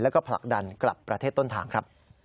แล้วก็ผลักดันกลับประเทศต้นทางครับ